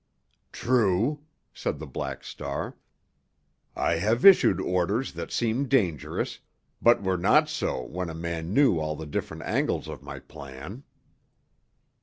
"True," said the Black Star. "I have issued orders that seemed dangerous, but were not so when a man knew all the different angles of my plan."